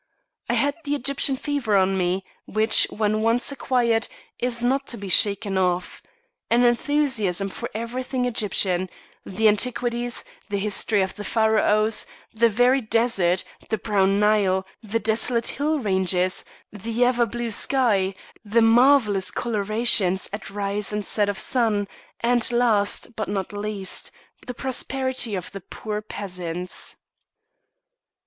I had the Egyptian fever on me, which, when once acquired, is not to be shaken off an enthusiasm for everything Egyptian, the antiquities, the history of the Pharaohs, the very desert, the brown Nile, the desolate hill ranges, the ever blue sky, the marvellous colorations at rise and set of sun, and last, but not least, the prosperity of the poor peasants.